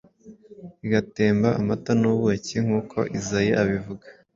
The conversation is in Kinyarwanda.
igatemba amata n‟ubuki nk‟uko Izayi abivuga.